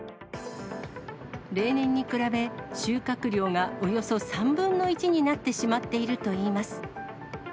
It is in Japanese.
例年に比べ、収穫量がおよそ３分の１になってしまっているといいます。